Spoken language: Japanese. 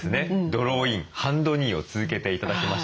ドローインハンドニーを続けて頂きました。